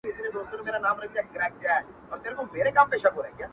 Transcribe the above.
او که ولاړم تر قیامت پوري مي تله دي--!